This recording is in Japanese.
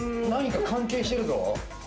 何か関係してるぞ。